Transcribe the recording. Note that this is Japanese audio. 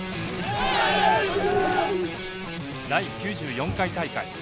第９４回大会。